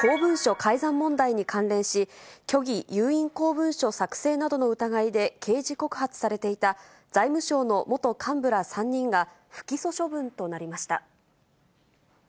改ざん問題に関連し、虚偽有印公文書作成などの疑いで刑事告発されていた、財務省の元幹部ら３人が不起訴処分となりました。